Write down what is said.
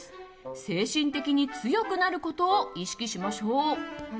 精神的に強くなることを意識しましょう。